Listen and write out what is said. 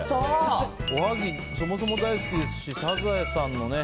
おはぎ、そもそも大好きですしサザエさんのね。